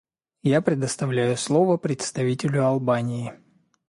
Я предоставляю слово представителю Албании.